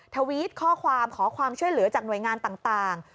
ทวิตข้อความขอความช่วยเหลือจากหน่วยงานต่าง